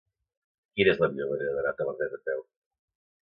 Quina és la millor manera d'anar a Tavertet a peu?